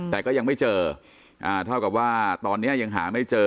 แต่ก็ยังไม่เจอเท่ากับว่าตอนนี้ยังหาไม่เจอ